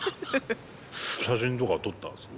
写真とか撮ったんですか。